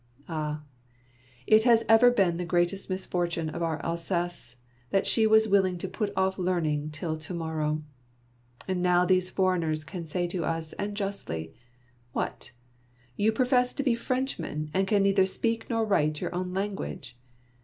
Ah, it has ever been the greatest misfortune of our Alsace that she was willing to put off learning till To morrow ! And now these foreigners can say to us, and justly, ' What ! you profess to be Frenchmen, and can neither speak nor write your own language